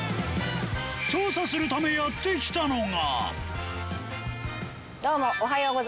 調査するためやって来たのが